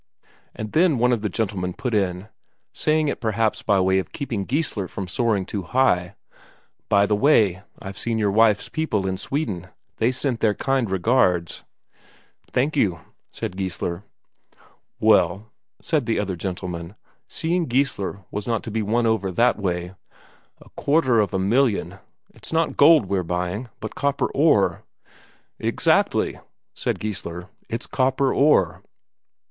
And then one of the gentlemen put in saying it perhaps by way of keeping Geissler from soaring too far: "By the way, I've seen your wife's people in Sweden they sent their kind regards." "Thank you," said Geissler. "Well," said the other gentleman, seeing Geissler was not to be won over that way, "a quarter of a million ... it's not gold we're buying, but copper ore." "Exactly," said Geissler. "It's copper ore."